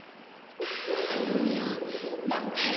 たのむよ乱太郎。